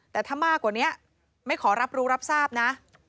แต่ถ้ามากกว่านี้ไม่ขอรับรู้รับทราบนะ